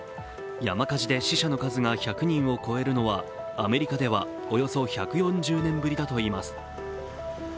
山火事で死者の数が１００人を超えるのはアメリカではおよそ１４０年ぶりだといいます。